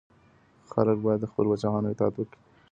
خلګ باید د خپلو پاچاهانو اطاعت وکړي.